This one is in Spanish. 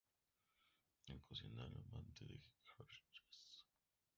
Ocasional Amante de Jersey.